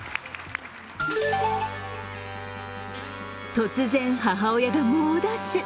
突然、母親が猛ダッシュ。